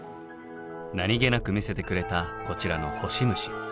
何気なく見せてくれたこちらのホシムシ。